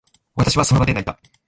私は、その場で泣いた。